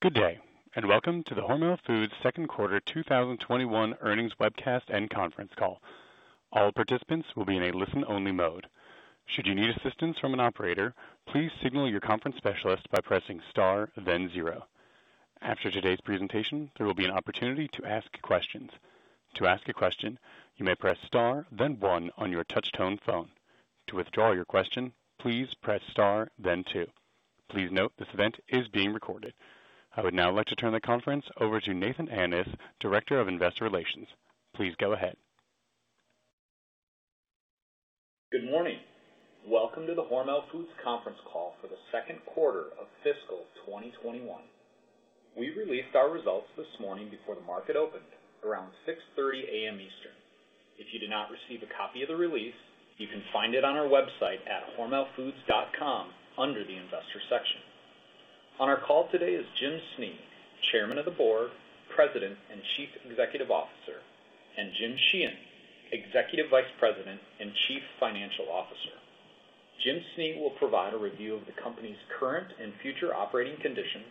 Good day, and welcome to the Hormel Foods second quarter 2021 earnings webcast and conference call. All participants will be in a listen-only mode. Should you need assistance from an operator, please signal your conference specialist by pressing star then zero. After today's presentation, there will be an opportunity to ask questions. To ask a question, you may press star then one on your touch-tone phone. To withdraw your question, please press star then two. Please note this event is being recorded. I would now like to turn the conference over to Nathan Annis, Director of Investor Relations. Please go ahead. Good morning. Welcome to the Hormel Foods conference call for the second quarter of fiscal 2021. We released our results this morning before the market opened, around 6:30 A.M. Eastern. If you did not receive a copy of the release, you can find it on our website at hormelfoods.com under the investor section. On our call today is Jim Snee, Chairman of the Board, President, and Chief Executive Officer, and Jim Sheehan, Executive Vice President and Chief Financial Officer. Jim Snee will provide a review of the company's current and future operating conditions,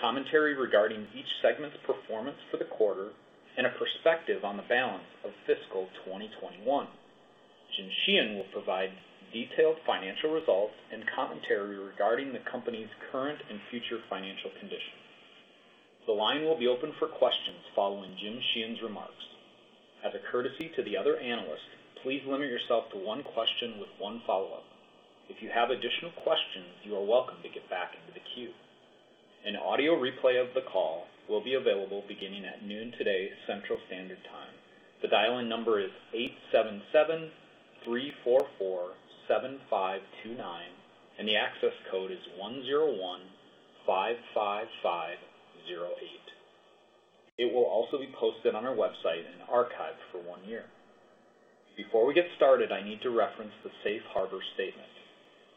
commentary regarding each segment's performance for the quarter, and a perspective on the balance of fiscal 2021. Jim Sheehan will provide detailed financial results and commentary regarding the company's current and future financial conditions. The line will be open for questions following Jim Sheehan's remarks. As a courtesy to the other analysts, please limit yourself to one question with one follow-up. If you have additional questions, you are welcome to get back into the queue. An audio replay of the call will be available beginning at 12:00 P.M. today, Central Standard Time. The dialing number is 877-344-7529, and the access code is 10155508. It will also be posted on our website and archived for one year. Before we get started, I need to reference the Safe Harbor statement.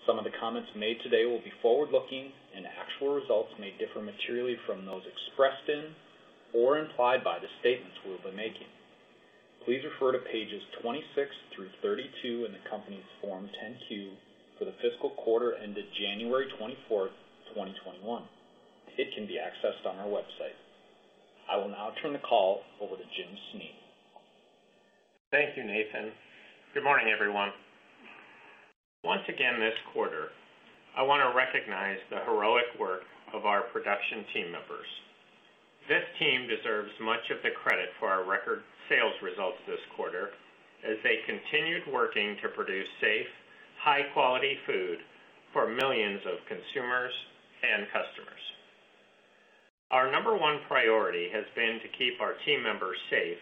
Some of the comments made today will be forward-looking, and actual results may differ materially from those expressed in or implied by the statements we will be making. Please refer to pages 26 through 32 in the company's Form 10-Q for the fiscal quarter ended January 24, 2021. It can be accessed on our website. I will now turn the call over to Jim Snee. Thank you, Nathan. Good morning, everyone. Once again this quarter, I want to recognize the heroic work of our production team members. This team deserves much of the credit for our record sales results this quarter as they continued working to produce safe, high-quality food for millions of consumers and customers. Our number one priority has been to keep our team members safe,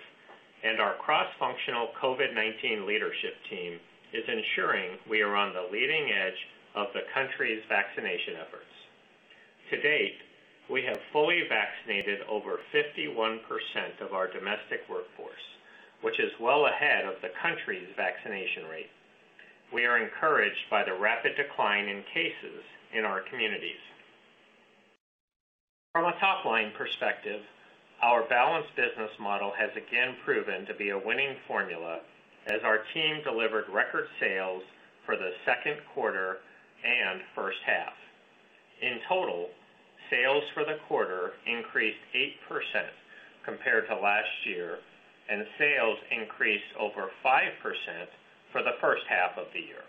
and our cross-functional COVID-19 leadership team is ensuring we are on the leading edge of the country's vaccination efforts. To date, we have fully vaccinated over 51% of our domestic workforce, which is well ahead of the country's vaccination rate. We are encouraged by the rapid decline in cases in our communities. From a top-line perspective, our balanced business model has again proven to be a winning formula as our team delivered record sales for the second quarter and first half. In total, sales for the quarter increased 8% compared to last year, and sales increased over 5% for the first half of the year.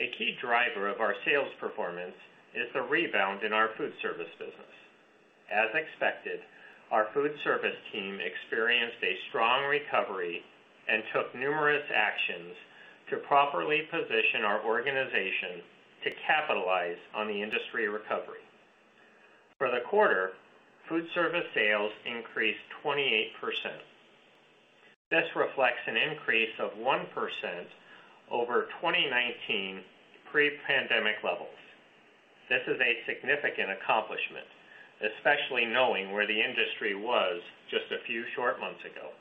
A key driver of our sales performance is the rebound in our Foodservice business. As expected, our Foodservice team experienced a strong recovery and took numerous actions to properly position our organization to capitalize on the industry recovery. For the quarter, Foodservice sales increased 28%. This reflects an increase of 1% over 2019 pre-pandemic levels. This is a significant accomplishment, especially knowing where the industry was just a few short months ago.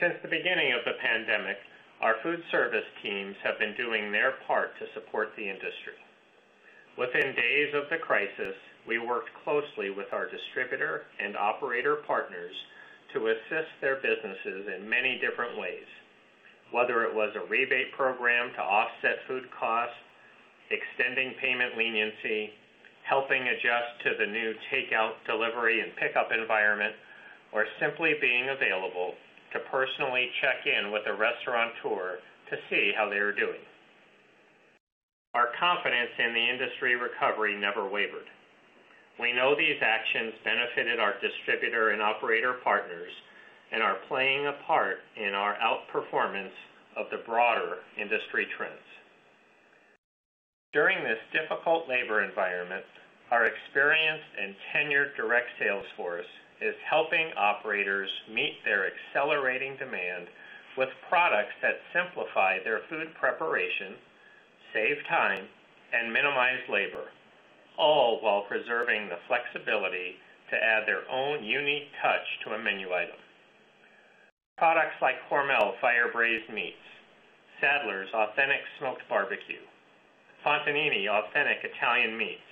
Since the beginning of the pandemic, our Foodservice teams have been doing their part to support the industry. Within days of the crisis, we worked closely with our distributor and operator partners to assist their businesses in many different ways, whether it was a rebate program to offset food costs, extending payment leniency, helping adjust to the new takeout delivery and pickup environment, or simply being available to personally check in with a restaurateur to see how they were doing. Our confidence in the industry recovery never wavered. We know these actions benefited our distributor and operator partners and are playing a part in our outperformance of the broader industry trends. During this difficult labor environment, our experienced and tenured direct sales force is helping operators meet their accelerating demand with products that simplify their food preparation, save time, and minimize labor, all while preserving the flexibility to add their own unique touch to a menu item. Products like HORMEL Fire Braised Meats, Sadler's Smokehouse, FONTANINI Authentic Italian Meats,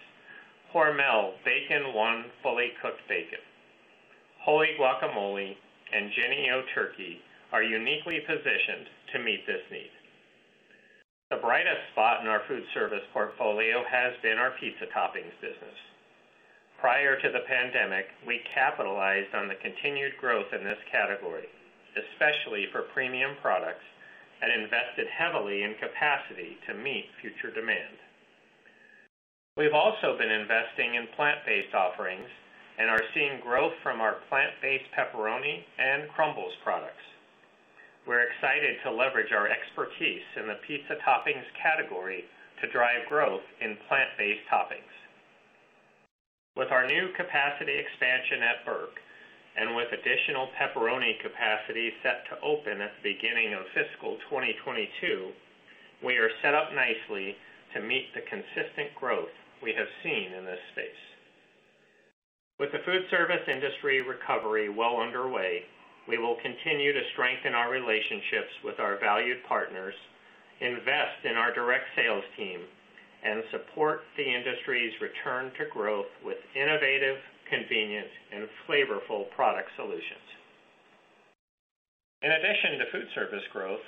HORMEL BACON 1 Fully Cooked Bacon, Wholly Guacamole, and Jennie-O Turkey are uniquely positioned to meet this need. The brightest spot in our food service portfolio has been our pizza toppings business. Prior to the pandemic, we capitalized on the continued growth in this category, especially for premium products, and invested heavily in capacity to meet future demand. We've also been investing in plant-based offerings and are seeing growth from our plant-based pepperoni and crumbles products. We're excited to leverage our expertise in the pizza toppings category to drive growth in plant-based toppings. With our new capacity expansion at Burke, and with additional pepperoni capacity set to open at the beginning of fiscal 2022, we are set up nicely to meet the consistent growth we have seen in this space. With the food service industry recovery well underway, we will continue to strengthen our relationships with our valued partners, invest in our direct sales team, and support the industry's return to growth with innovative, convenient, and flavorful product solutions. In addition to food service growth,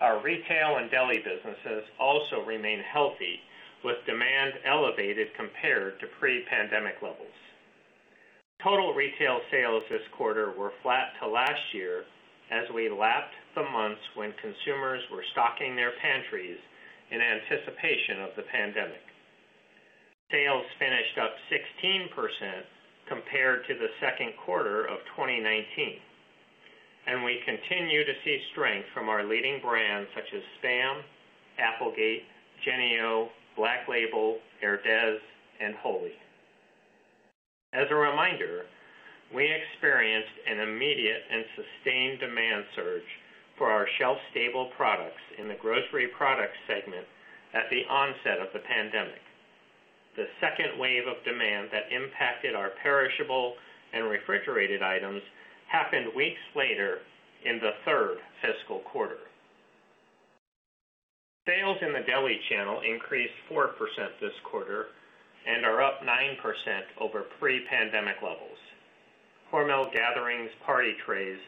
our retail and deli businesses also remain healthy with demand elevated compared to pre-pandemic levels. Total retail sales this quarter were flat to last year as we lapped the months when consumers were stocking their pantries in anticipation of the pandemic. Sales finished up 16% compared to the second quarter of 2019. We continue to see strength from our leading brands such as SPAM, Applegate, Jennie-O, Black Label, Herdez, and Wholly. As a reminder, we experienced an immediate and sustained demand surge for our shelf-stable products in the grocery product segment at the onset of the pandemic. The second wave of demand that impacted our perishable and refrigerated items happened weeks later in the third fiscal quarter. Sales in the deli channel increased 4% this quarter and are up 9% over pre-pandemic levels. Hormel Gatherings party trays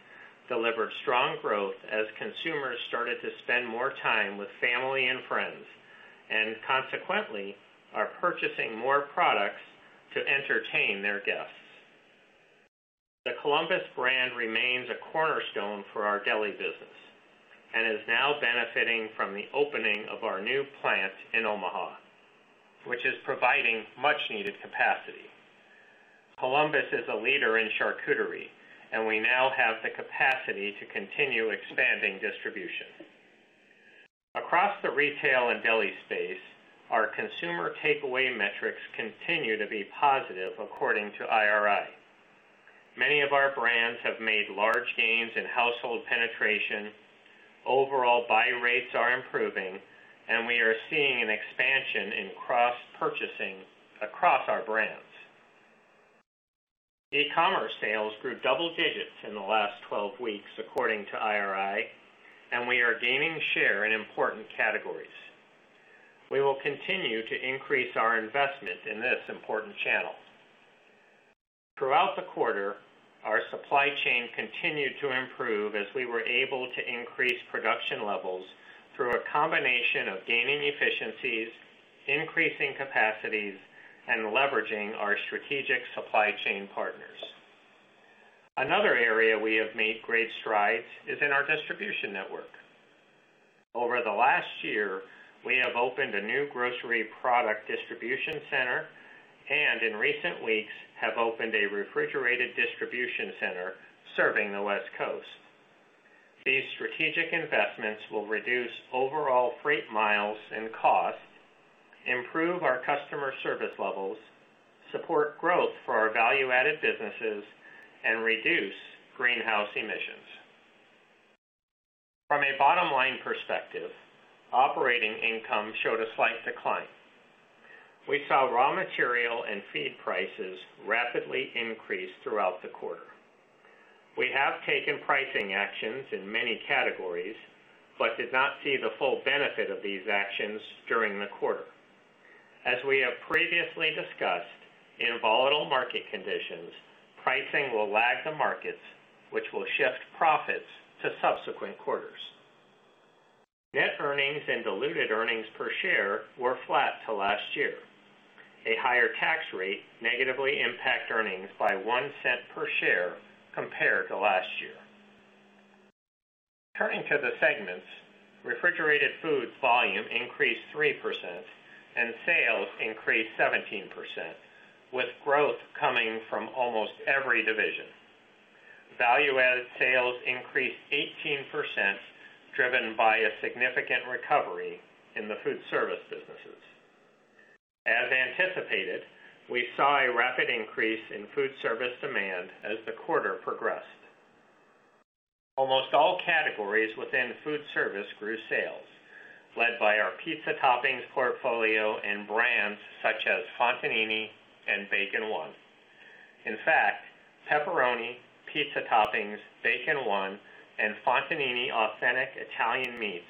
delivered strong growth as consumers started to spend more time with family and friends, and consequently, are purchasing more products to entertain their guests. The Columbus brand remains a cornerstone for our deli business and is now benefiting from the opening of our new plant in Omaha, which is providing much-needed capacity. Columbus is a leader in charcuterie, and we now have the capacity to continue expanding distribution. Across the retail and deli space, our consumer takeaway metrics continue to be positive according to IRI. Many of our brands have made large gains in household penetration, overall buy rates are improving, and we are seeing an expansion in cross-purchasing across our brands. E-commerce sales grew double digits in the last 12 weeks according to IRI, and we are gaining share in important categories. We will continue to increase our investment in this important channel. Throughout the quarter, our supply chain continued to improve as we were able to increase production levels through a combination of gaining efficiencies, increasing capacities, and leveraging our strategic supply chain partners. Another area we have made great strides is in our distribution network. Over the last year, we have opened a new grocery product distribution center and in recent weeks have opened a refrigerated distribution center serving the West Coast. These strategic investments will reduce overall freight miles and cost, improve our customer service levels, support growth for our value-added businesses, and reduce greenhouse emissions. From a bottom-line perspective, operating income showed a slight decline. We saw raw material and feed prices rapidly increase throughout the quarter. We have taken pricing actions in many categories but did not see the full benefit of these actions during the quarter. As we have previously discussed, in volatile market conditions, pricing will lag the markets, which will shift profits to subsequent quarters. Net earnings and diluted earnings per share were flat to last year. A higher tax rate negatively impact earnings by $0.01 per share compared to last year. Turning to the segments, refrigerated foods volume increased 3% and sales increased 17%, with growth coming from almost every division. Value-added sales increased 18%, driven by a significant recovery in the food service businesses. As anticipated, we saw a rapid increase in food service demand as the quarter progressed. Almost all categories within food service grew sales, led by our pizza toppings portfolio and brands such as Fontanini and BACON 1. In fact, pepperoni, pizza toppings, BACON 1, and Fontanini Authentic Italian Meats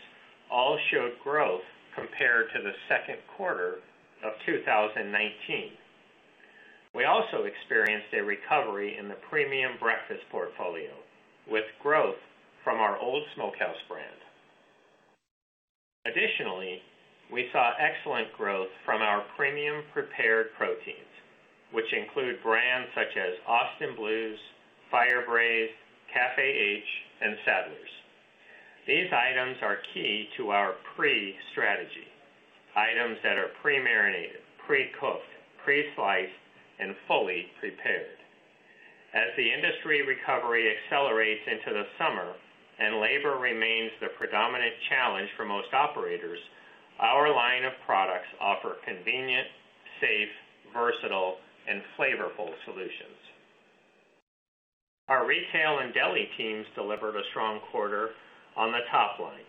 all showed growth compared to the second quarter of 2019. We also experienced a recovery in the premium breakfast portfolio with growth from our Old Smokehouse brand. Additionally, we saw excellent growth from our premium prepared proteins, which include brands such as Austin Blues, Fire Braised, CAFÉ H, and Sadler's Smokehouse. These items are key to our pre strategy, items that are pre-marinated, pre-cooked, pre-sliced, and fully prepared. As the industry recovery accelerates into the summer and labor remains the predominant challenge for most operators, our line of products offer convenient, safe, versatile, and flavorful solutions. Our retail and deli teams delivered a strong quarter on the top line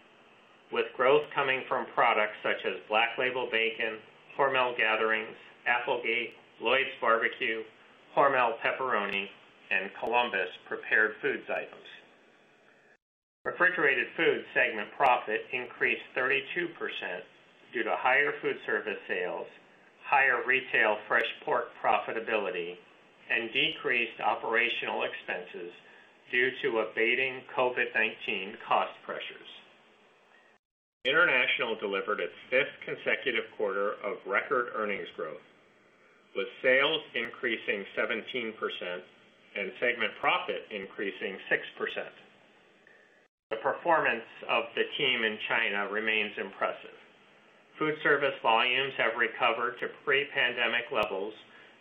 with growth coming from products such as Black Label Bacon, Hormel Gatherings, Applegate, Lloyd's Barbeque, Hormel Pepperoni, and Columbus prepared food items. Refrigerated food segment profit increased 32% due to higher food service sales, higher retail fresh pork profitability, and decreased operational expenses due to abating COVID-19 cost pressures. International delivered its fifth consecutive quarter of record earnings growth, with sales increasing 17% and segment profit increasing 6%. The performance of the team in China remains impressive. Food service volumes have recovered to pre-pandemic levels,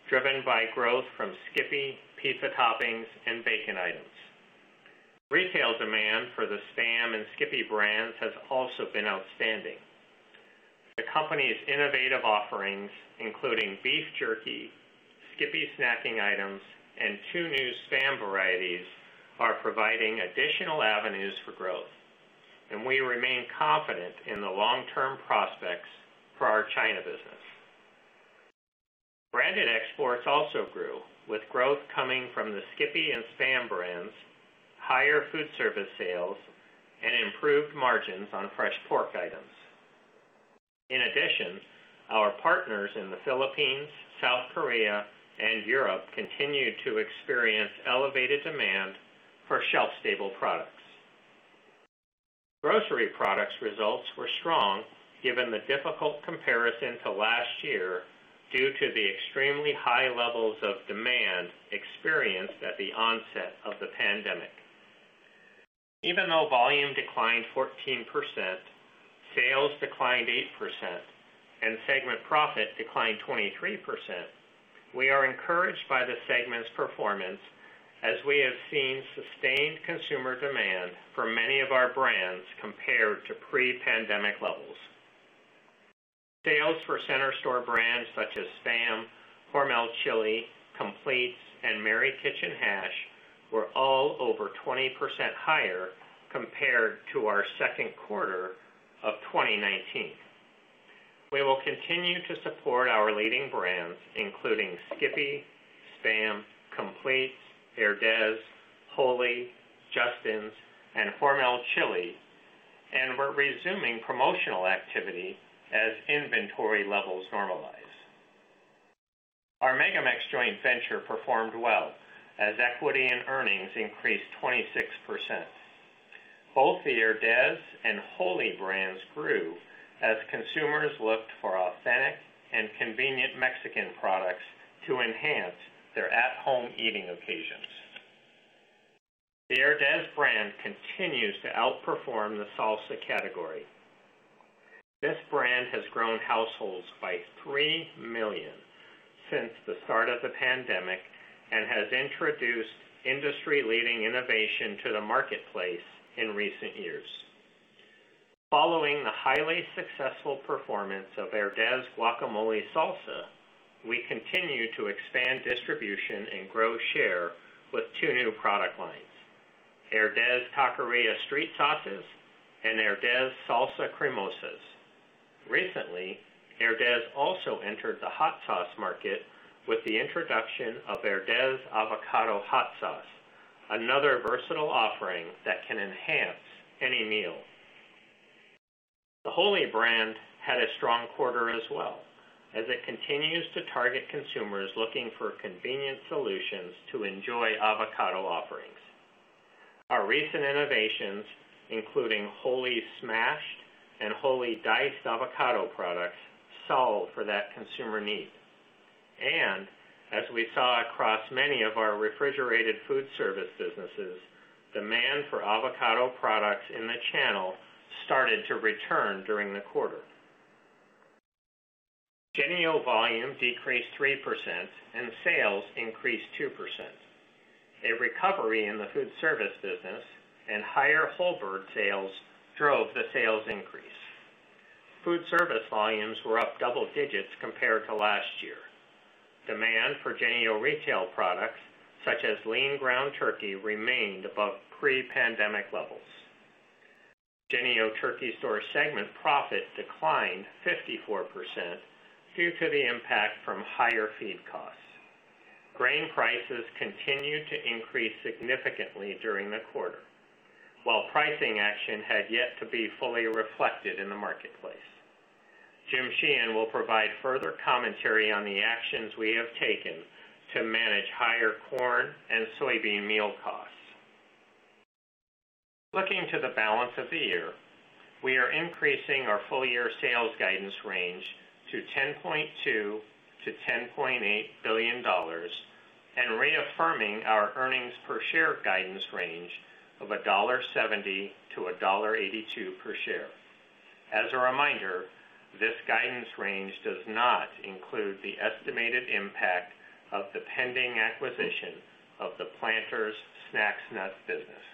driven by growth from Skippy pizza toppings and bacon items. Retail demand for the SPAM and Skippy brands has also been outstanding. The company's innovative offerings, including beef jerky, Skippy snacking items, and two new SPAM varieties, are providing additional avenues for growth, and we remain confident in the long-term prospects for our China business. Branded exports also grew with growth coming from the Skippy and SPAM brands, higher food service sales, and improved margins on fresh pork items. In addition, our partners in the Philippines, South Korea, and Europe continue to experience elevated demand for shelf-stable products. Grocery products results were strong given the difficult comparison to last year due to the extremely high levels of demand experienced at the onset of the pandemic. Even though volume declined 14%, sales declined 8%, and segment profit declined 23%, we are encouraged by the segment's performance as we have seen sustained consumer demand for many of our brands compared to pre-pandemic levels. Sales for center store brands such as SPAM, Hormel Chili, Compleats, and Mary Kitchen Hash were all over 20% higher compared to our second quarter of 2019. We will continue to support our leading brands, including Skippy, SPAM, Compleats, Herdez, Wholly, Justin's, and Hormel Chili, and we're resuming promotional activity as inventory levels normalize. Our MegaMex joint venture performed well as equity and earnings increased 26%. Both the Herdez and Wholly brands grew as consumers looked for authentic and convenient Mexican products to enhance their at-home eating occasions. The Herdez brand continues to outperform the salsa category. This brand has grown households by three million since the start of the pandemic, and has introduced industry-leading innovation to the marketplace in recent years. Following the highly successful performance of HERDEZ Guacamole Salsa, we continue to expand distribution and grow share with two new product lines, HERDEZ TAQUERIA STREET SAUCES and HERDEZ Salsas Cremosas. Recently, HERDEZ also entered the hot sauce market with the introduction of HERDEZ Avocado Hot Sauce, another versatile offering that can enhance any meal. The Wholly brand had a strong quarter as well as it continues to target consumers looking for convenient solutions to enjoy avocado offerings. Our recent innovations, including Wholly Smashed and Wholly Diced avocado products, solve for that consumer need. As we saw across many of our refrigerated food service businesses, demand for avocado products in the channel started to return during the quarter. Jennie-O volume decreased 3% and sales increased 2%. A recovery in the food service business and higher full bird sales drove the sales increase. Food service volumes were up double digits compared to last year. Demand for Jennie-O retail products such as lean ground turkey remained above pre-pandemic levels. Jennie-O Turkey Store segment profit declined 54% due to the impact from higher feed costs. Grain prices continued to increase significantly during the quarter. While pricing action had yet to be fully reflected in the marketplace. Jim Sheehan will provide further commentary on the actions we have taken to manage higher corn and soybean meal costs. Looking to the balance of the year, we are increasing our full-year sales guidance range to $10.2 billion-$10.8 billion and reaffirming our earnings per share guidance range of $1.70-$1.82 per share. As a reminder, this guidance range does not include the estimated impact of the pending acquisition of the Planters snacks nut business.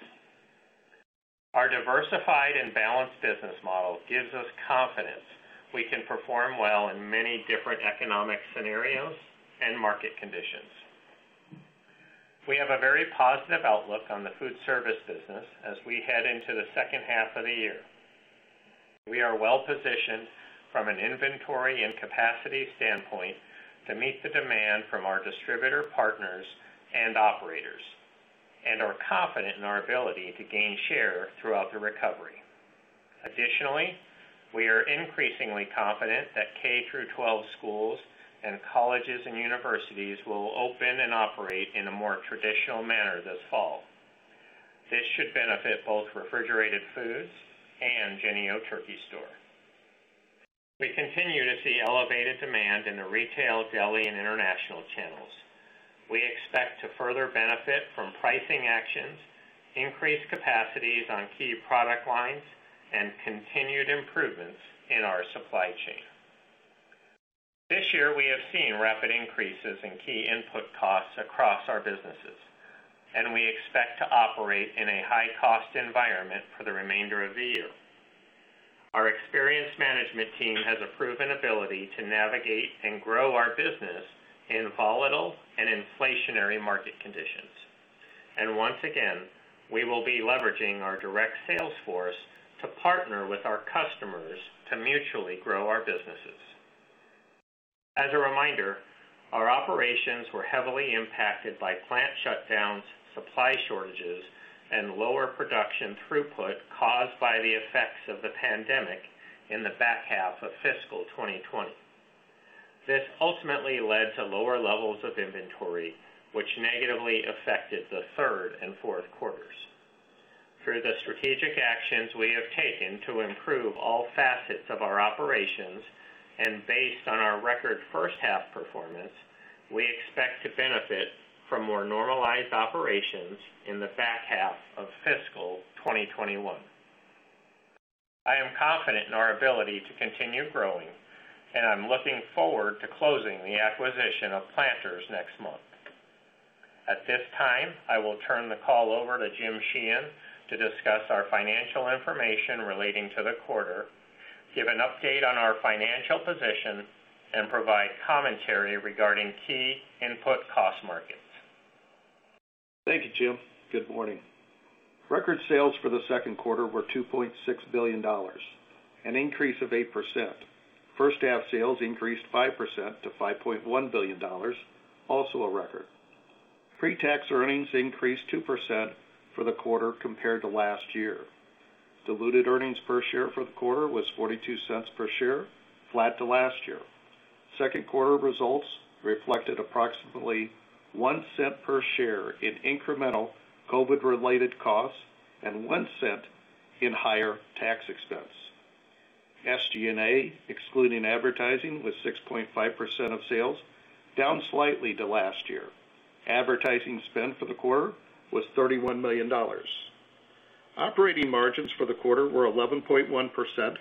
Our diversified and balanced business model gives us confidence we can perform well in many different economic scenarios and market conditions. We have a very positive outlook on the foodservice business as we head into the second half of the year. We are well-positioned from an inventory and capacity standpoint to meet the demand from our distributor partners and operators and are confident in our ability to gain share throughout the recovery. Additionally, we are increasingly confident that K-12 schools and colleges and universities will open and operate in a more traditional manner this fall. This should benefit both refrigerated foods and Jennie-O Turkey Store. We continue to see elevated demand in the retail, deli, and international channels. We expect to further benefit from pricing actions, increased capacities on key product lines, and continued improvements in our supply chain. This year, we have seen rapid increases in key input costs across our businesses. We expect to operate in a high-cost environment for the remainder of the year. Our experienced management team has a proven ability to navigate and grow our business in volatile and inflationary market conditions. Once again, we will be leveraging our direct sales force to partner with our customers to mutually grow our businesses. As a reminder, our operations were heavily impacted by plant shutdowns, supply shortages, and lower production throughput caused by the effects of the pandemic in the back half of fiscal 2020. This ultimately led to lower levels of inventory, which negatively affected the third and fourth quarters. Through the strategic actions we have taken to improve all facets of our operations and based on our record first-half performance, we expect to benefit from more normalized operations in the back half of fiscal 2021. I am confident in our ability to continue growing, and I'm looking forward to closing the acquisition of Planters next month. At this time, I will turn the call over to Jim Sheehan to discuss our financial information relating to the quarter, give an update on our financial position, and provide commentary regarding key input cost markets. Thank you, Jim Snee. Good morning. Record sales for the second quarter were $2.6 billion, an increase of 8%. First-half sales increased 5% to $5.1 billion, also a record. Pre-tax earnings increased 2% for the quarter compared to last year. Diluted earnings per share for the quarter was $0.42 per share, flat to last year. Second quarter results reflected approximately $0.01 per share in incremental COVID-related costs and $0.01 in higher tax expense. SG&A, excluding advertising, was 6.5% of sales, down slightly to last year. Advertising spend for the quarter was $31 million. Operating margins for the quarter were 11.1%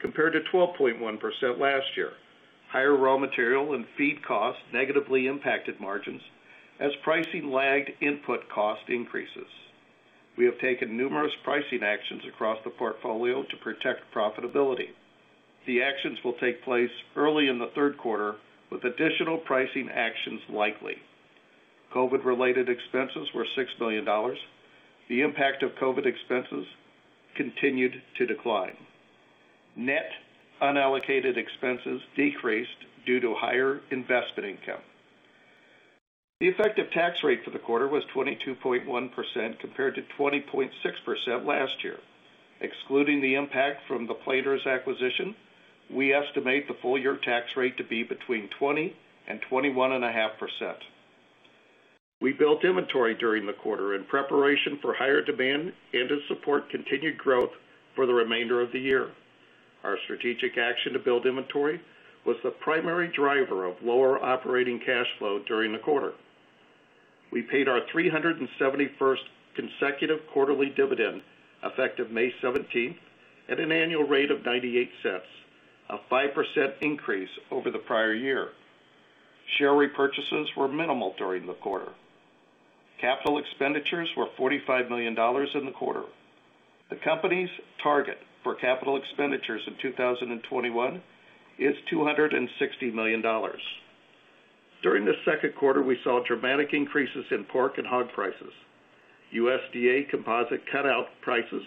compared to 12.1% last year. Higher raw material and feed costs negatively impacted margins as pricing lagged input cost increases. We have taken numerous pricing actions across the portfolio to protect profitability. The actions will take place early in the third quarter with additional pricing actions likely. COVID-related expenses were $6 million. The impact of COVID expenses continued to decline. Net unallocated expenses decreased due to higher investment income. The effective tax rate for the quarter was 22.1% compared to 20.6% last year. Excluding the impact from the Planters acquisition, we estimate the full-year tax rate to be between 20% and 21.5%. We built inventory during the quarter in preparation for higher demand and to support continued growth for the remainder of the year. Our strategic action to build inventory was the primary driver of lower operating cash flow during the quarter. We paid our 371st consecutive quarterly dividend effective May 17th at an annual rate of $0.98, a 5% increase over the prior year. Share repurchases were minimal during the quarter. Capital expenditures were $45 million in the quarter. The company's target for capital expenditures in 2021 is $260 million. During the second quarter, we saw dramatic increases in pork and hog prices. USDA composite cutout prices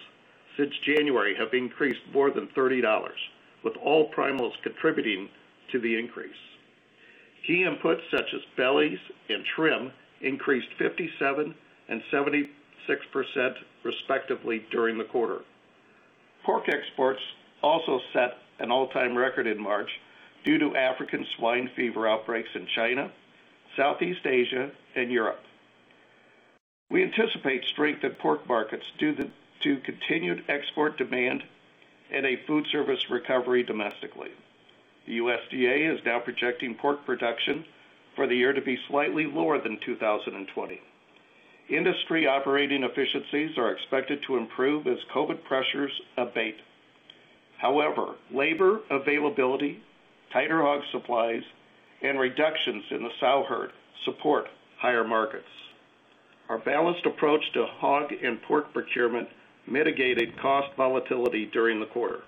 since January have increased more than $30, with all primals contributing to the increase. Key inputs such as bellies and trim increased 57% and 76%, respectively, during the quarter. Pork exports also set an all-time record in March due to African swine fever outbreaks in China, Southeast Asia, and Europe. We anticipate strength in pork markets due to continued export demand and a food service recovery domestically. The USDA is now projecting pork production for the year to be slightly lower than 2020. Industry operating efficiencies are expected to improve as COVID pressures abate. However, labor availability, tighter hog supplies, and reductions in the sow herd support higher markets. Our balanced approach to hog and pork procurement mitigated cost volatility during the quarter.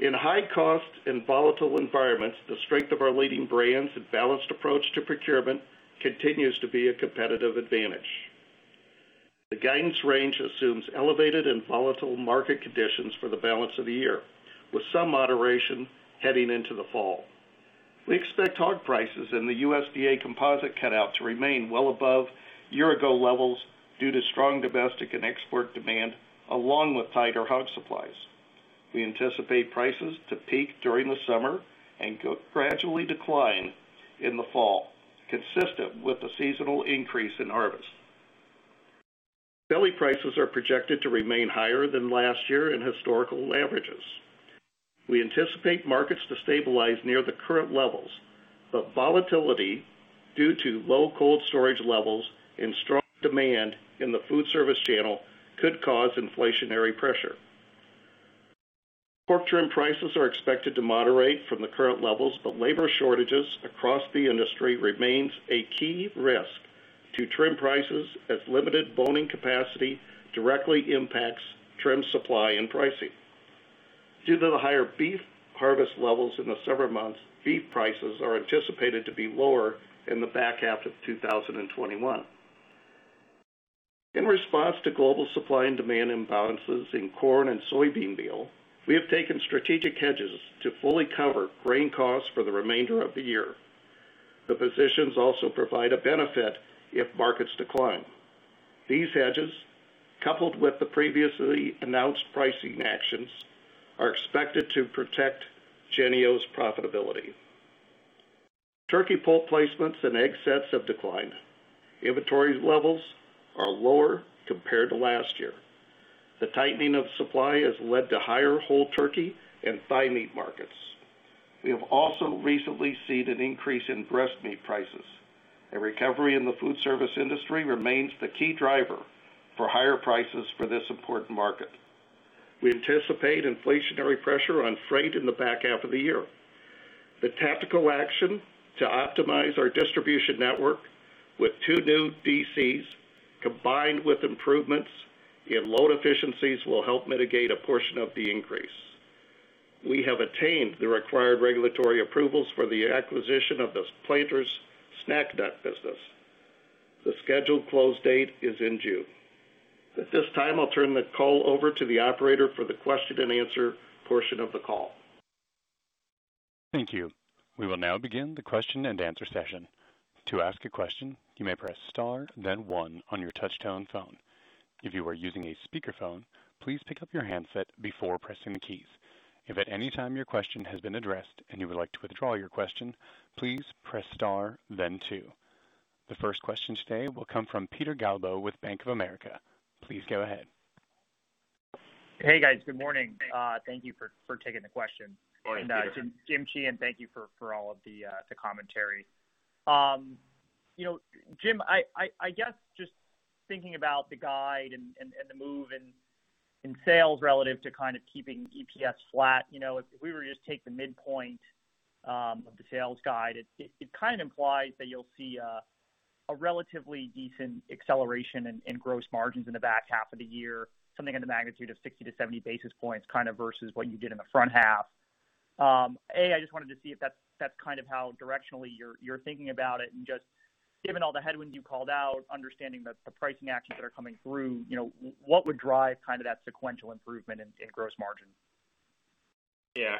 In high cost and volatile environments, the strength of our leading brands and balanced approach to procurement continues to be a competitive advantage. The guidance range assumes elevated and volatile market conditions for the balance of the year, with some moderation heading into the fall. We expect hog prices and the USDA composite cutout to remain well above year-ago levels due to strong domestic and export demand, along with tighter hog supplies. We anticipate prices to peak during the summer and gradually decline in the fall, consistent with the seasonal increase in harvest. Belly prices are projected to remain higher than last year and historical averages. We anticipate markets to stabilize near the current levels, but volatility due to low cold storage levels and strong demand in the foodservice channel could cause inflationary pressure. Pork trim prices are expected to moderate from the current levels, but labor shortages across the industry remains a key risk to trim prices, as limited boning capacity directly impacts trim supply and pricing. Due to the higher beef harvest levels in the summer months, beef prices are anticipated to be lower in the back half of 2021. In response to global supply and demand imbalances in corn and soybean meal, we have taken strategic hedges to fully cover grain costs for the remainder of the year. The positions also provide a benefit if markets decline. These hedges, coupled with the previously announced pricing actions, are expected to protect Jennie-O's profitability. Turkey poult placements and egg sets have declined. Inventory levels are lower compared to last year. The tightening of supply has led to higher whole turkey and thigh meat markets. We have also recently seen an increase in breast meat prices. A recovery in the food service industry remains the key driver for higher prices for this important market. We anticipate inflationary pressure on freight in the back half of the year. The tactical action to optimize our distribution network with two new DCs, combined with improvements in load efficiencies, will help mitigate a portion of the increase. We have attained the required regulatory approvals for the acquisition of the Planters snack nut business. The scheduled close date is in June. At this time, I'll turn the call over to the operator for the question and answer portion of the call. Thank you. We will now begin the question and answer session. The first question today will come from Peter Galbo with Bank of America. Please go ahead. Hey, guys. Good morning. Thank you for taking the question. Morning, Peter. Jim Sheehan, thank you for all of the commentary. Jim, I guess just thinking about the guide and the move in sales relative to kind of keeping EPS flat, if we were to just take the midpoint of the sales guide, it kind of implies that you'll see a relatively decent acceleration in gross margins in the back half of the year, something in the magnitude of 60-70 basis points, kind of versus what you did in the front half. I just wanted to see if that's kind of how directionally you're thinking about it, and just given all the headwinds you called out, understanding the pricing actions that are coming through, what would drive kind of that sequential improvement in gross margin?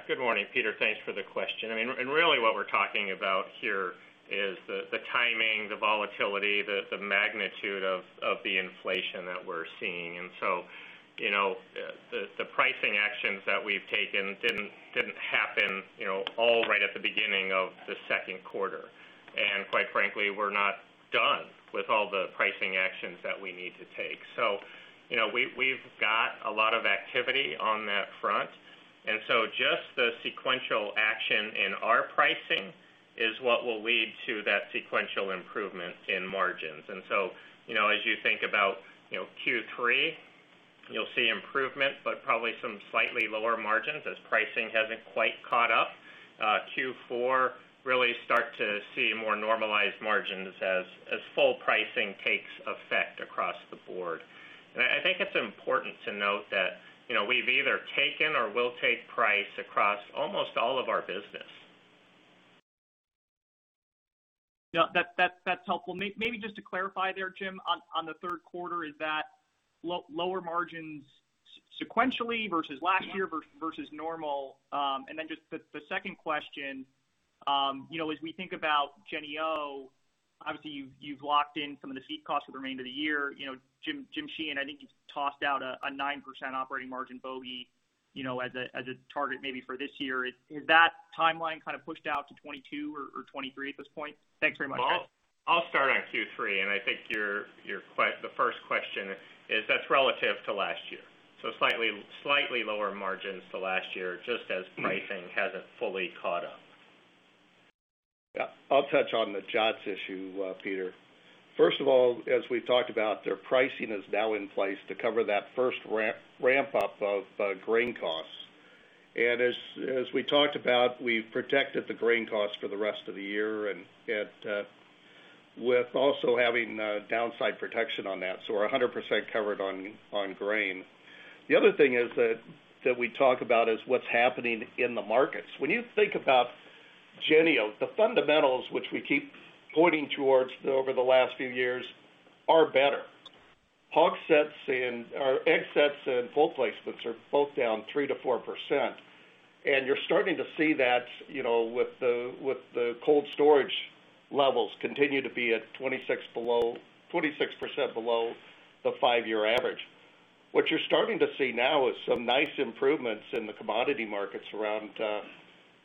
Good morning, Peter. Thanks for the question. Really what we're talking about here is the timing, the volatility, the magnitude of the inflation that we're seeing. The pricing actions that we've taken didn't happen all right at the beginning of the second quarter. Quite frankly, we're not done with all the pricing actions that we need to take. We've got a lot of activity on that front, and so just the sequential action in our pricing is what will lead to that sequential improvement in margins. As you think about Q3, you'll see improvement, but probably some slightly lower margins as pricing hasn't quite caught up. Q4, really start to see more normalized margins as full pricing takes effect across the board. I think it's important to note that we've either taken or will take price across almost all of our business. That's helpful. Maybe just to clarify there, Jim, on the third quarter, is that lower margins sequentially versus last year versus normal? Just the second question, as we think about Jennie-O, obviously you've locked in some of the seed cost for the remainder of the year. Jim Sheehan, I think you tossed out a 9% operating margin, bogey, as a target maybe for this year. Is that timeline pushed out to 2022 or 2023 at this point? Thanks very much. I'll start on Q3, and I think the first question is that's relative to last year. Slightly lower margins to last year just as pricing hasn't fully caught up. Yeah. I'll touch on the JOTS issue, Peter. First of all, as we talked about, their pricing is now in place to cover that first ramp-up of grain costs. As we talked about, we've protected the grain cost for the rest of the year, and with also having downside protection on that, so we're 100% covered on grain. The other thing that we talk about is what's happening in the markets. When you think about Jennie-O, the fundamentals which we keep pointing towards over the last few years are better. Hog sets or egg sets and poult placements are both down 3%-4%. You're starting to see that with the cold storage levels continue to be at 26% below the five-year average. What you're starting to see now is some nice improvements in the commodity markets around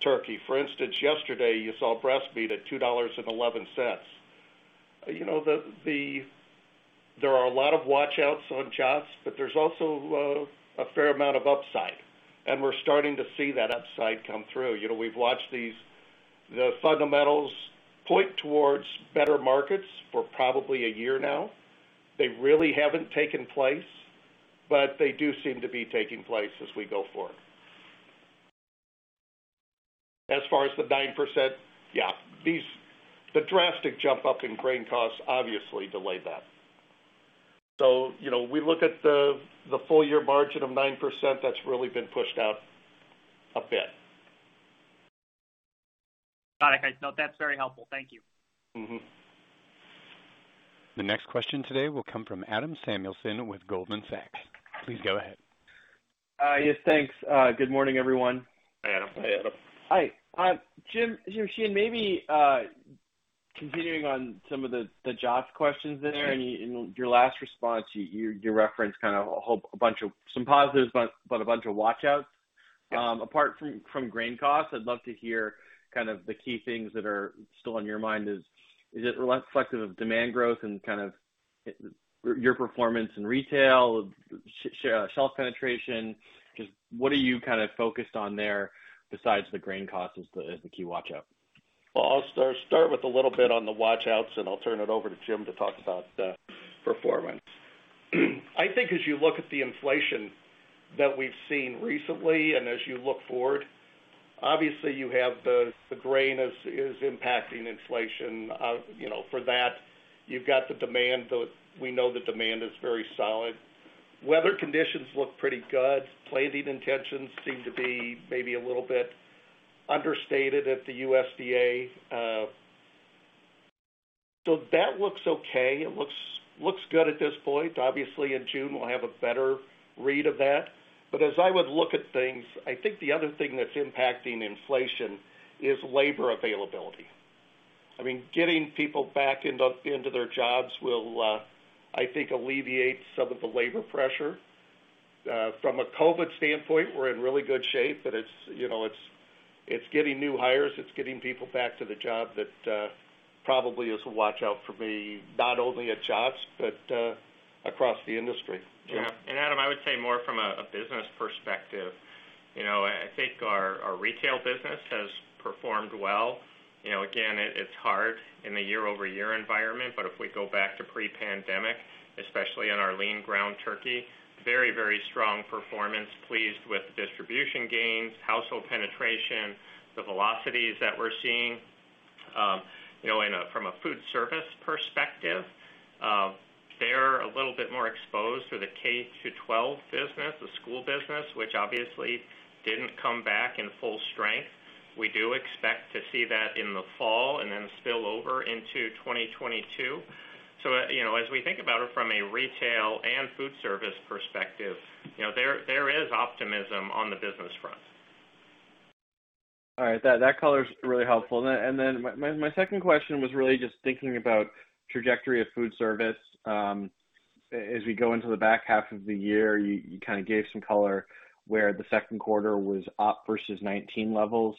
turkey. For instance, yesterday, you saw breast meat at $2.11. There are a lot of watch outs on JOTS, but there's also a fair amount of upside, and we're starting to see that upside come through. We've watched the fundamentals point towards better markets for probably a year now. They really haven't taken place, but they do seem to be taking place as we go forward. As far as the 9%, yeah. The drastic jump up in grain costs obviously delayed that. We look at the full year margin of 9%, that's really been pushed out a bit. Got it. No, that's very helpful. Thank you. The next question today will come from Adam Samuelson with Goldman Sachs. Please go ahead. Yes, thanks. Good morning, everyone. Same. Hi. Jim, maybe continuing on some of the JOTS questions in there. In your last response, you referenced a bunch of some positives, but a bunch of watch outs. Apart from grain costs, I'd love to hear the key things that are still on your mind. Is it less flexible of demand growth and your performance in retail, shelf penetration? Just what are you focused on there besides the grain cost as the key watch out? I'll start with a little bit on the watch outs, and I'll turn it over to Jim to talk about the performance. I think as you look at the inflation that we've seen recently, and as you look forward, obviously you have the grain is impacting inflation. For that, you've got the demand. We know the demand is very solid. Weather conditions look pretty good. Plate eating intentions seem to be maybe a little bit understated at the USDA. That looks okay. It looks good at this point. Obviously, in June, we'll have a better read of that. As I would look at things, I think the other thing that's impacting inflation is labor availability. Getting people back into their jobs will, I think, alleviate some of the labor pressure. From a COVID standpoint, we're in really good shape, but it's getting new hires, it's getting people back to the job that probably is a watch out for me, not only at JOTS, but across the industry. Adam, I would say more from a business perspective. I think our retail business has performed well. Again, it's hard in a year-over-year environment, but if we go back to pre-pandemic, especially in our lean ground turkey, very strong performance, pleased with distribution gains, household penetration, the velocities that we're seeing. From a foodservice perspective, they're a little bit more exposed to the K-12 business, the school business, which obviously didn't come back in full strength. We do expect to see that in the fall and then spill over into 2022. As we think about it from a retail and foodservice perspective, there is optimism on the business front. All right. That color is really helpful. My second question was really just thinking about trajectory of foodservice. As we go into the back half of the year, you gave some color where the second quarter was up versus 2019 levels.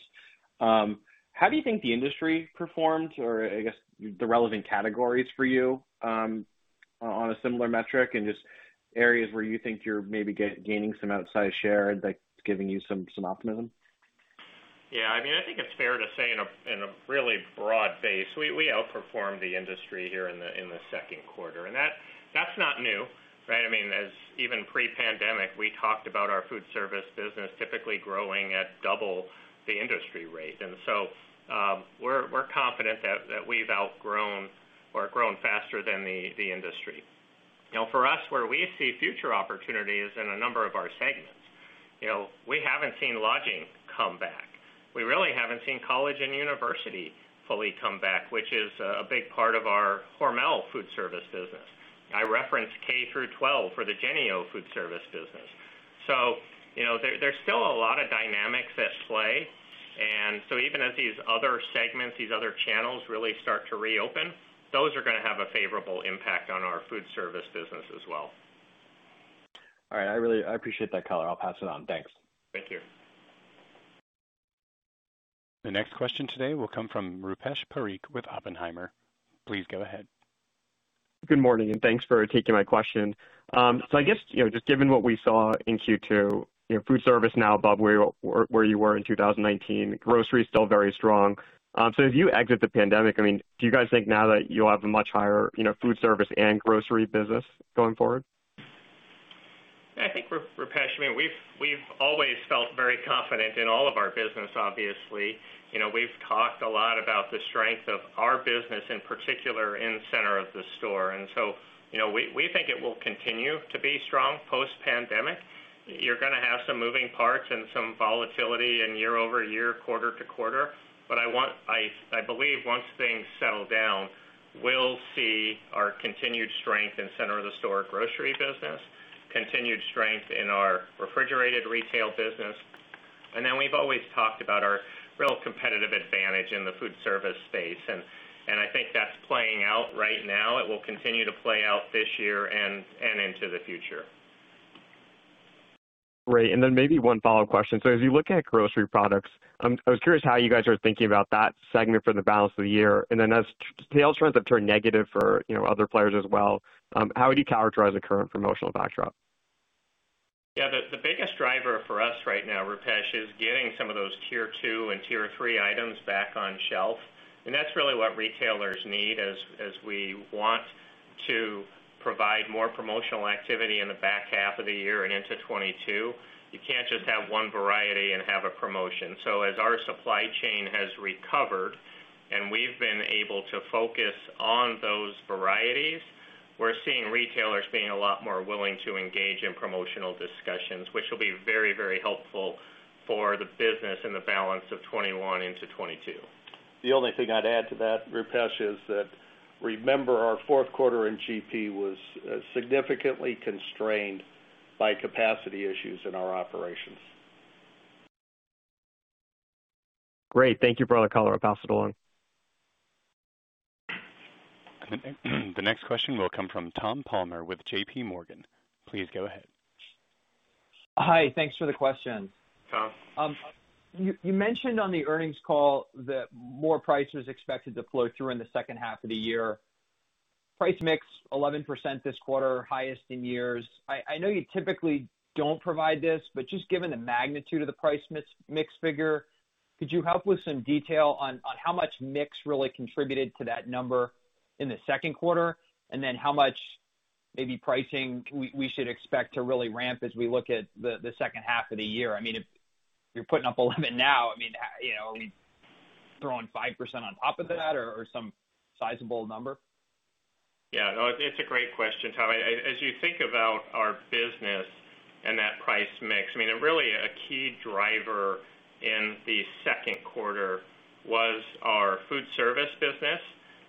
How do you think the industry performs or, I guess, the relevant categories for you on a similar metric and just areas where you think you're maybe gaining some outsized share that's giving you some optimism? I think it's fair to say in a really broad base, we outperformed the industry here in the second quarter. That's not new, right? Even pre-pandemic, we talked about our food service business typically growing at double the industry rate. We're confident that we've outgrow-Faster than the industry. For us, where we see future opportunities in a number of our segments. We haven't seen lodging come back. We really haven't seen college and university fully come back, which is a big part of our Hormel food service business. I referenced K-12 for the Jennie-O food service business. There's still a lot of dynamics at play, and so even as these other segments, these other channels really start to reopen, those are going to have a favorable impact on our food service business as well. All right. I really appreciate that color. I'll pass it on. Thanks. Thank you. The next question today will come from Rupesh Parikh with Oppenheimer. Please go ahead. Good morning, and thanks for taking my question. I guess, just given what we saw in Q2, foodservice now above where you were in 2019, grocery is still very strong. As you exit the pandemic, do you guys think now that you'll have a much higher foodservice and grocery business going forward? I think, Rupesh, we've always felt very confident in all of our business, obviously. We've talked a lot about the strength of our business, in particular in center of the store. We think it will continue to be strong post-pandemic. You're going to have some moving parts and some volatility in year-over-year, quarter-to-quarter. I believe once things settle down, we'll see our continued strength in center of the store grocery business, continued strength in our refrigerated retail business. We've always talked about our real competitive advantage in the food service space, and I think that's playing out right now. It will continue to play out this year and into the future. Great. Maybe one follow-up question. As you're looking at grocery products, I was curious how you guys are thinking about that segment for the balance of the year. As tail trends have turned negative for other players as well, how would you characterize the current promotional backdrop? The biggest driver for us right now, Rupesh, is getting some of those tier 2 and tier 3 items back on shelf. That is really what retailers need as we want to provide more promotional activity in the back half of the year and into 2022. You cannot just have one variety and have a promotion. As our supply chain has recovered and we have been able to focus on those varieties, we are seeing retailers being a lot more willing to engage in promotional discussions, which will be very helpful for the business and the balance of 2021 into 2022. The only thing I'd add to that, Rupesh, is that remember our fourth quarter in GP was significantly constrained by capacity issues in our operations. Great. Thank you for all the color. I'll pass it along. The next question will come from Tom Palmer with JPMorgan. Please go ahead. Hi, thanks for the question. Tom. You mentioned on the earnings call that more price was expected to flow through in the second half of the year. Price mix 11% this quarter, highest in years. I know you typically don't provide this, just given the magnitude of the price mix figure, could you help with some detail on how much mix really contributed to that number in the second quarter, and then how much maybe pricing we should expect to really ramp as we look at the second half of the year? If you're putting up 11% now, are we throwing 5% on top of that or some sizable number? Yeah, it's a great question, Tom. As you think about our business and that price mix, really a key driver in the second quarter was our food service business,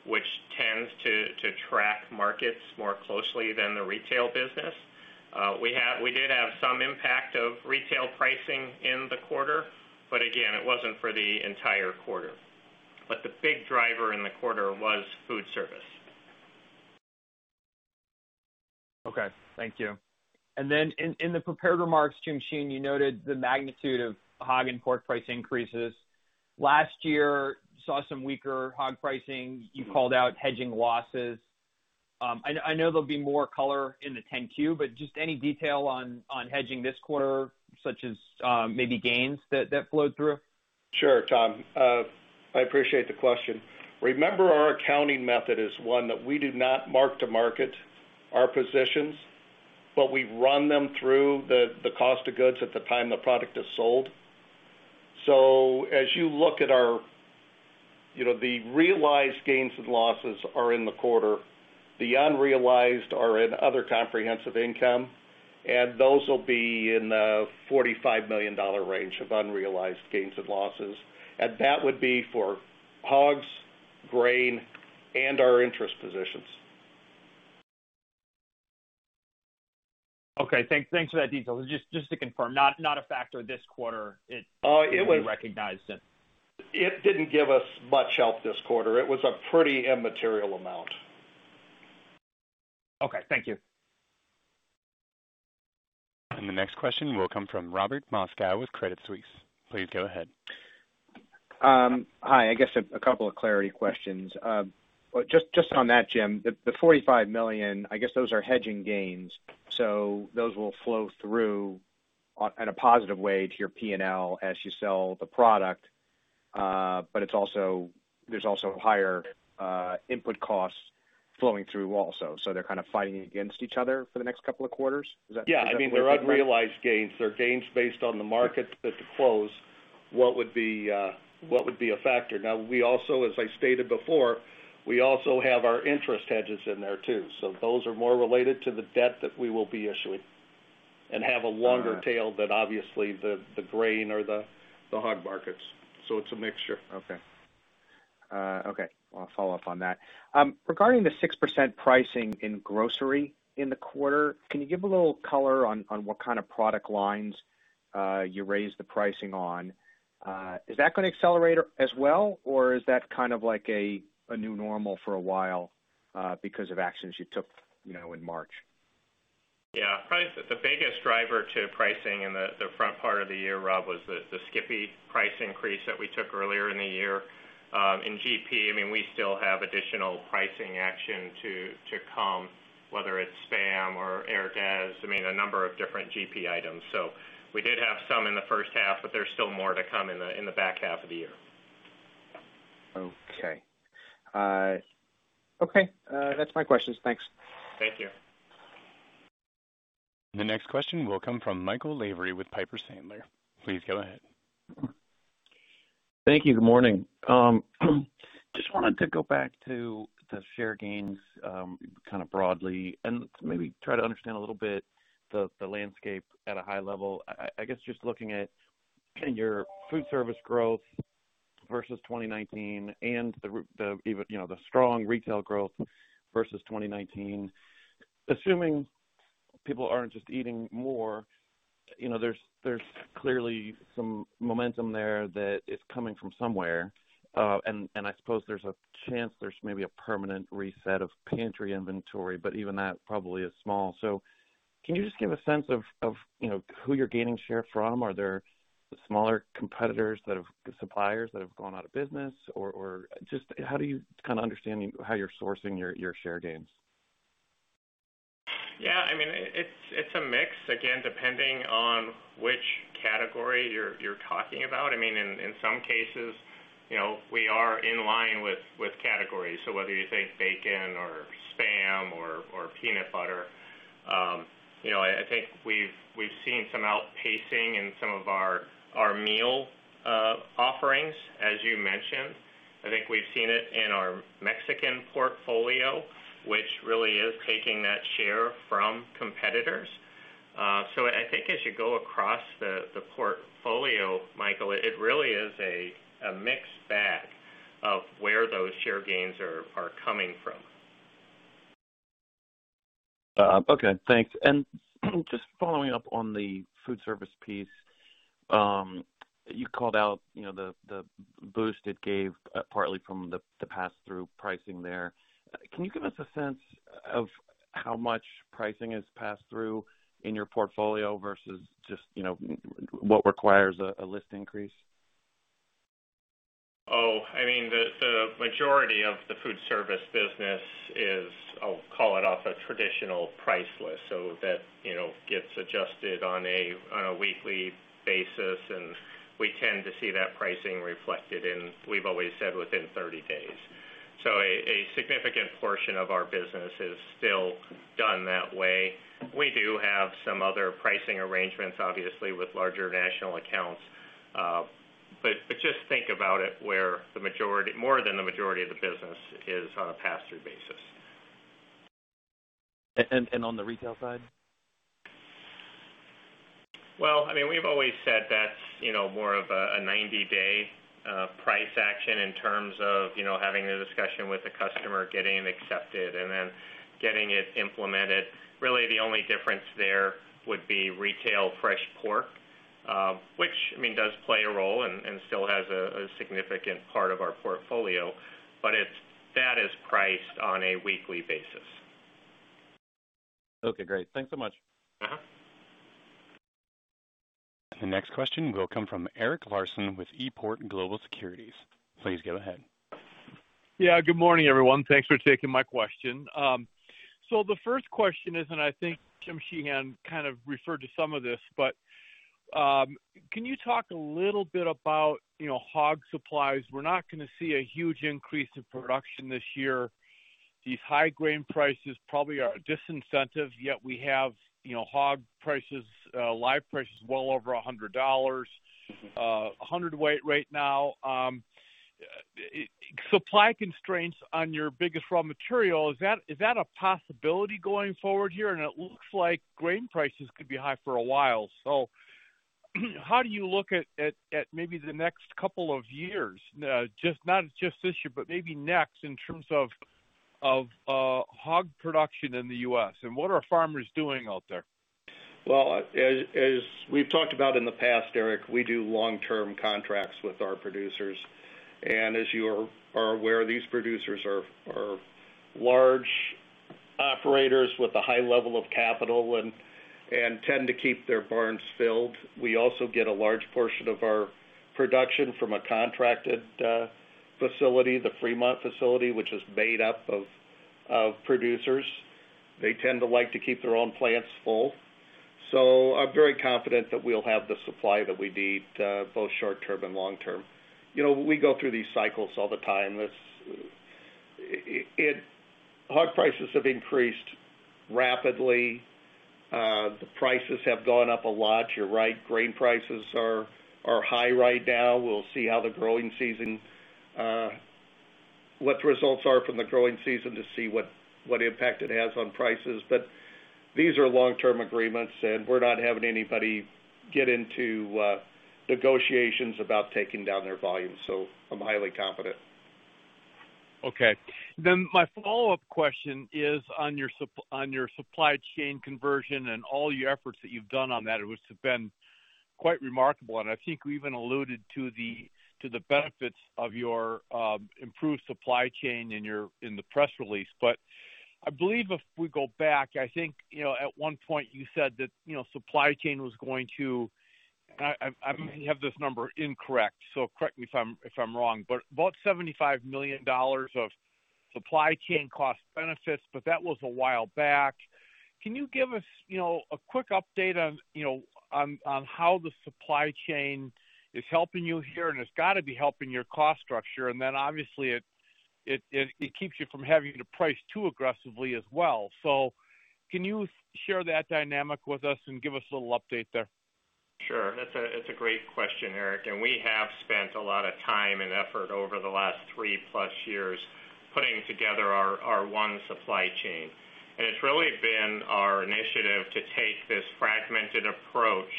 which tends to track markets more closely than the retail business. We did have some impact of retail pricing in the quarter, but again, it wasn't for the entire quarter. The big driver in the quarter was food service. Okay. Thank you. Then in the prepared remarks, Jim, you noted the magnitude of hog and pork price increases. Last year, you saw some weaker hog pricing. You called out hedging losses. I know there'll be more color in the 10-Q, but just any detail on hedging this quarter, such as maybe gains that flow through? Sure, Tom. I appreciate the question. Remember, our accounting method is one that we do not mark to market our positions, but we run them through the cost of goods at the time the product is sold. The realized gains and losses are in the quarter, the unrealized are in other comprehensive income, and those will be in the $45 million range of unrealized gains and losses. That would be for hogs, grain, and our interest positions. Okay. Thanks for that detail. Just to confirm, not a factor this quarter. It was- you recognized it. It didn't give us much help this quarter. It was a pretty immaterial amount. Okay. Thank you. The next question will come from Robert Moskow with Credit Suisse. Please go ahead. Hi. I guess a couple of clarity questions. Just on that, Jim, the $45 million, I guess those are hedging gains, so those will flow through in a positive way to your P&L as you sell the product. There's also higher input costs flowing through also. They're kind of fighting against each other for the next couple of quarters? Is that? Yeah, they're unrealized gains. They're gains based on the markets at the close. What would be a factor? As I stated before, we also have our interest hedges in there too. Those are more related to the debt that we will be issuing and have a longer tail than obviously the grain or the hog markets. It's a mixture. Okay. I'll follow up on that. Regarding the 6% pricing in grocery in the quarter, can you give a little color on what kind of product lines you raised the pricing on? Is that going to accelerate as well, or is that a new normal for a while because of actions you took in March? Probably the biggest driver to pricing in the front part of the year, Rob, was the Skippy price increase that we took earlier in the year. In GP, we still have additional pricing action to come, whether it's SPAM or Herdez, a number of different GP items. We did have some in the first half, but there's still more to come in the back half of the year. Okay. That's my questions. Thanks. Thank you. The next question will come from Michael Lavery with Piper Sandler. Please go ahead. Thank you. Good morning. Just wanted to go back to the share gains, broadly, and maybe try to understand a little bit the landscape at a high level. I guess just looking at your foodservice growth versus 2019 and the strong retail growth versus 2019. Assuming people aren't just eating more, there's clearly some momentum there that is coming from somewhere. I suppose there's a chance there's maybe a permanent reset of pantry inventory, but even that probably is small. Can you just give a sense of who you're gaining share from? Are there smaller competitors that have suppliers that have gone out of business, or just how do you understand how you're sourcing your share gains? Yeah, it's a mix, again, depending on which category you're talking about. In some cases, we are in line with categories. Whether you say bacon or SPAM or peanut butter. I think we've seen some outpacing in some of our meal offerings, as you mentioned. I think we've seen it in our Mexican portfolio, which really is taking that share from competitors. I think as you go across the portfolio, Michael, it really is a mixed bag of where those share gains are coming from. Okay, thanks. Just following up on the foodservice piece. You called out the boost it gave partly from the pass-through pricing there. Can you give us a sense of how much pricing is passed through in your portfolio versus just what requires a list increase? The majority of the food service business is, I'll call it, a traditional price list. That gets adjusted on a weekly basis, we tend to see that pricing reflected in, we've always said, within 30 days. A significant portion of our business is still done that way. We do have some other pricing arrangements, obviously, with larger national accounts. Just think about it where more than the majority of the business is on a pass-through basis. On the retail side? Well, we've always said that's more of a 90-day price action in terms of having a discussion with the customer, getting it accepted, and then getting it implemented. Really, the only difference there would be retail fresh pork, which does play a role and still has a significant part of our portfolio. That is priced on a weekly basis. Okay, great. Thanks so much. The next question will come from Erik Larson with Seaport Global Securities. Please go ahead. Yeah, good morning, everyone. Thanks for taking my question. The first question is, and I think Jim Sheehan referred to some of this, but can you talk a little bit about hog supplies? We're not going to see a huge increase in production this year. These high grain prices probably are a disincentive, yet we have hog live prices well over $100 a hundredweight right now. Supply constraints on your biggest raw material, is that a possibility going forward here? It looks like grain prices could be high for a while. How do you look at maybe the next couple of years? Not just this year, but maybe next in terms of hog production in the U.S., and what are farmers doing out there? Well, as we've talked about in the past, Erik, we do long-term contracts with our producers. As you are aware, these producers are large operators with a high level of capital and tend to keep their barns filled. We also get a large portion of our production from a contracted facility, the Fremont facility, which is made up of producers. They tend to like to keep their own plants full. I'm very confident that we'll have the supply that we need, both short-term and long-term. We go through these cycles all the time. Hog prices have increased rapidly. The prices have gone up a lot. You're right, grain prices are high right now. We'll see what the results are from the growing season to see what impact it has on prices. These are long-term agreements, and we're not having anybody get into negotiations about taking down their volume. I'm highly confident. Okay. My follow-up question is on your supply chain conversion and all your efforts that you've done on that, which have been quite remarkable. I think we even alluded to the benefits of your improved supply chain in the press release. I believe if we go back, I think at one point you said that supply chain was going to, I may have this number incorrect, so correct me if I'm wrong, but about $75 million of supply chain cost benefits, but that was a while back. Can you give us a quick update on how the supply chain is helping you here? It's got to be helping your cost structure, obviously it keeps you from having to price too aggressively as well. Can you share that dynamic with us and give us a little update there? Sure. It's a great question, Erik. We have spent a lot of time and effort over the last three plus years putting together our one supply chain. It's really been our initiative to take this fragmented approach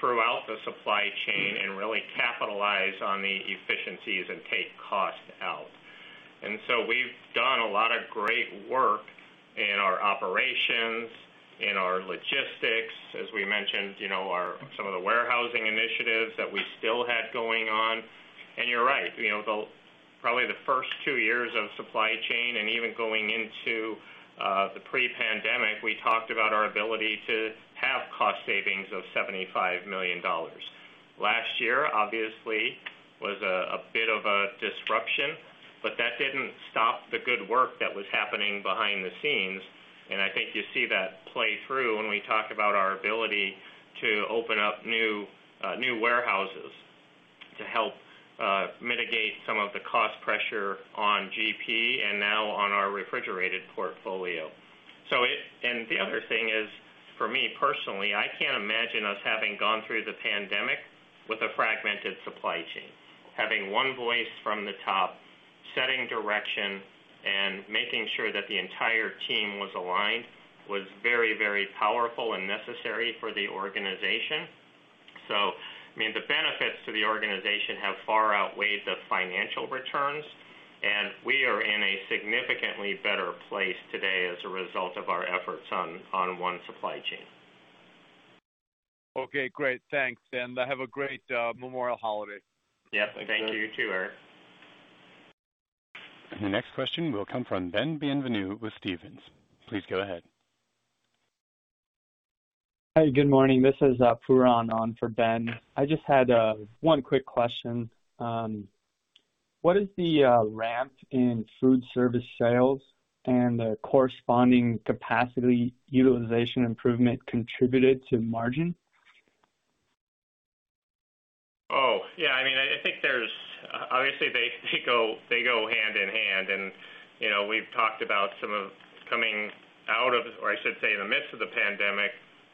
throughout the supply chain and really capitalize on the efficiencies and take cost out. We've done a lot of great work in our operations, in our logistics, as we mentioned, some of the warehousing initiatives that we still have going on. You're right, probably the first two years of supply chain and even going into the pre-pandemic, we talked about our ability to have cost savings of $75 million. Last year, obviously, was a bit of a disruption, but that didn't stop the good work that was happening behind the scenes. I think you see that play through when we talk about our ability to open up new warehouses to help mitigate some of the cost pressure on GP and now on our refrigerated portfolio. The other thing is, for me personally, I can't imagine us having gone through the pandemic with a fragmented supply chain. Having one voice from the top, setting direction, and making sure that the entire team was aligned was very, very powerful and necessary for the organization. So, the benefits to the organization have far outweighed the financial returns, and we are in a significantly better place today as a result of our efforts on one supply chain. Okay, great. Thanks, and have a great Memorial holiday. Yes, thank you. You too, Erik. The next question will come from Ben Bienvenu with Stephens. Please go ahead. Hi, good morning. This is Pooran on for Ben. I just had one quick question. What is the ramp in food service sales and the corresponding capacity utilization improvement contributed to margin? Yeah, I think obviously they go hand in hand and we've talked about some of coming out of, or I should say in the midst of the pandemic,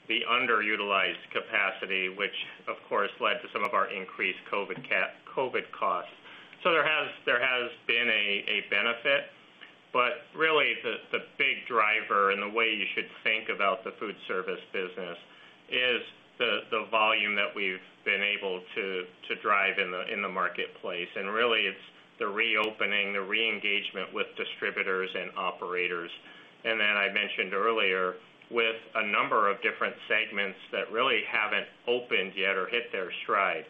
the underutilized capacity, which of course led to some of our increased COVID costs. There has been a benefit, but really the big driver and the way you should think about the foodservice business is the volume that we've been able to drive in the marketplace. Really it's the reopening, the re-engagement with distributors and operators. Then I mentioned earlier with a number of different segments that really haven't opened yet or hit their stride.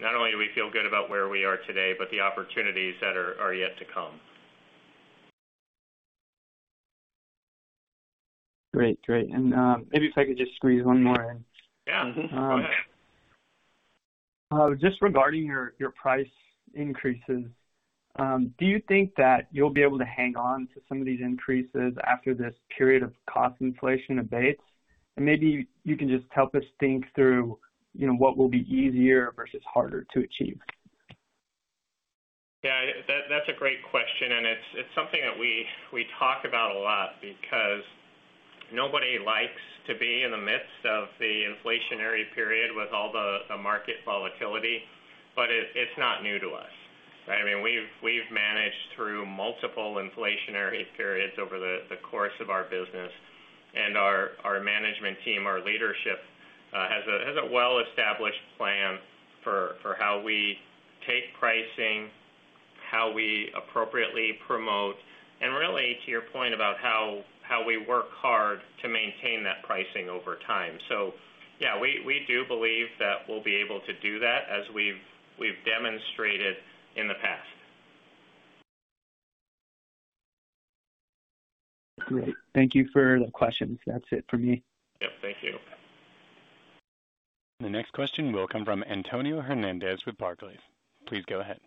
Not only we feel good about where we are today, but the opportunities that are yet to come. Great. Maybe if I could just squeeze one more in? Yeah. Go ahead. Just regarding your price increases, do you think that you'll be able to hang on to some of these increases after this period of cost inflation abates? Maybe you can just help us think through what will be easier versus harder to achieve. That's a great question, and it's something that we talk about a lot because nobody likes to be in the midst of the inflationary period with all the market volatility, but it's not new to us. We've managed through multiple inflationary periods over the course of our business and our management team, our leadership has a well-established plan for how we take pricing, how we appropriately promote, and really to your point about how we work hard to maintain that pricing over time. We do believe that we'll be able to do that as we've demonstrated in the past. Great. Thank you for the questions. That's it for me. Yep. Thank you. The next question will come from Antonio Hernández with Barclays. Please go ahead.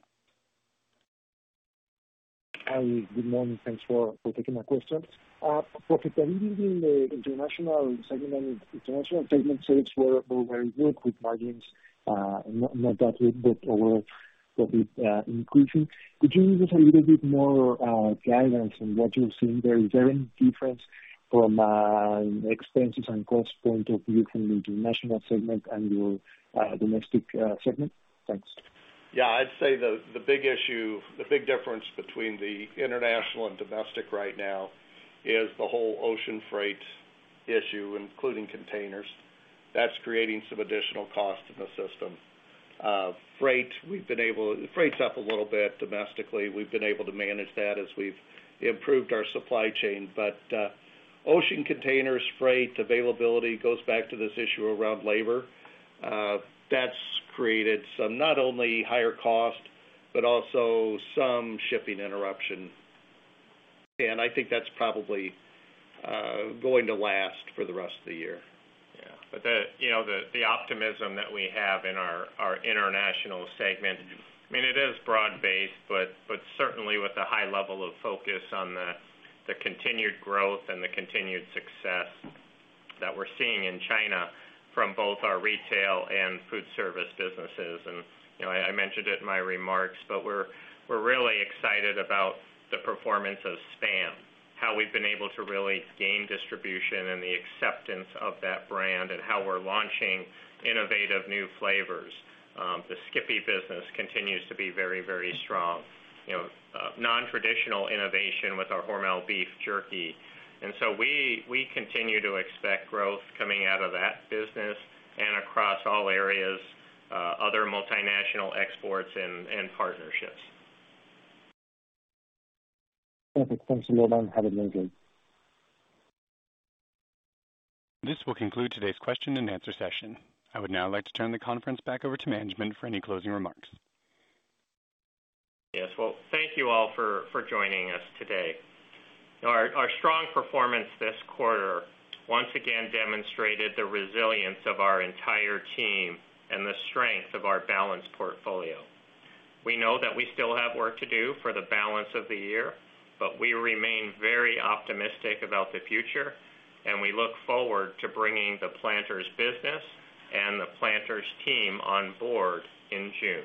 Hi, good morning. Thanks for taking my question. Profitability in the international segment, international segment sales were very good with margins not that good, but were probably increasing. Could you give us a little bit more guidance on what you're seeing there? Is there any difference from an expenses and cost point of view from the international segment and your domestic segment? Thanks. Yeah, I'd say the big issue, the big difference between the international and domestic right now is the whole ocean freight issue, including containers. That's creating some additional cost in the system. Freight's up a little bit domestically. We've been able to manage that as we've improved our supply chain. Ocean containers, freight availability, goes back to this issue around labor. That's created some not only higher cost, but also some shipping interruption. I think that's probably going to last for the rest of the year. Yeah. The optimism that we have in our international segment, it is broad-based, certainly with a high level of focus on the continued growth and the continued success that we're seeing in China from both our retail and foodservice businesses. I mentioned it in my remarks, we're really excited about the performance of SPAM, how we've been able to really gain distribution and the acceptance of that brand, how we're launching innovative new flavors. The Skippy business continues to be very, very strong. Non-traditional innovation with our HORMEL Beef Jerky. We continue to expect growth coming out of that business and across all areas, other multinational exports and partnerships. This will conclude today's question and answer session. I would now like to turn the conference back over to management for any closing remarks. Yes. Well, thank you all for joining us today. Our strong performance this quarter once again demonstrated the resilience of our entire team and the strength of our balanced portfolio. We know that we still have work to do for the balance of the year, but we remain very optimistic about the future, and we look forward to bringing the Planters business and the Planters team on board in June.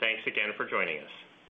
Thanks again for joining us.